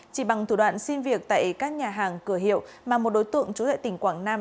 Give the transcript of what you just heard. chỉ bằng thủ đoạn xin việc tại các nhà hàng cửa hiệu mà một đối tượng trú tại tỉnh quảng nam